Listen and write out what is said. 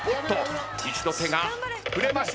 一度手が触れましたが。